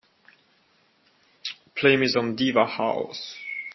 Play some diva house.